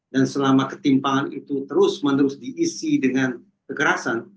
dan selama ketimpangan itu terus menerus diisi dengan kekerasan